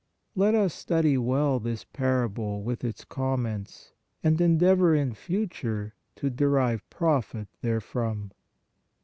Let us study well this parable with its comments and endeavor in future to derive profit therefrom.